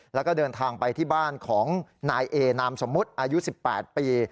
แล้วก็เดินทางไปที่บ้านของนายเอนามสมมุติอายุ๑๘ปี